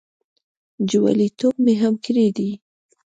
جوالیتوب مې هم کړی دی.